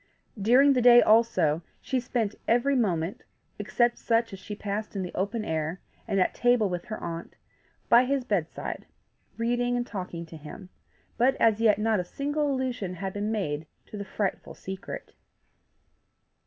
During the day also she spent every moment, except such as she passed in the open air, and at table with her aunt, by his bedside, reading and talking to him; but as yet not a single allusion had been made to the frightful secret.